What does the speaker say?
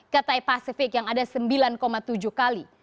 kta pacific yang ada sembilan tujuh kali